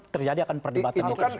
terjadi akan perdebatan terus menerus